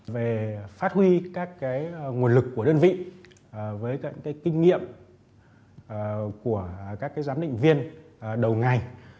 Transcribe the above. về phát huy các cái nguồn lực của đơn vị với các cái kinh nghiệm của các cái giám định viên đầu ngày